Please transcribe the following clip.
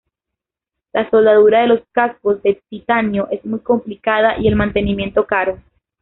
La soldadura de los cascos de titanio es muy complicada y el mantenimiento caro.